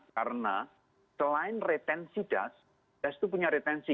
karena selain retensi das das itu punya retensi